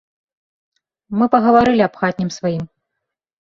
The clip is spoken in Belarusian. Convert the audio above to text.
Мы пагаварылі аб хатнім сваім.